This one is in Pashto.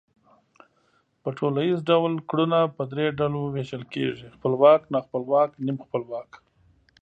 په ټوليز ډول گړونه په درې ډلو وېشل کېږي، خپلواک، ناخپلواک، نیم خپلواک